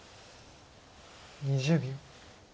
２０秒。